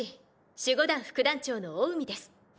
守護団副団長のオウミです。